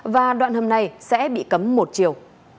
và đoạn hầm này sẽ bị cấm một triệu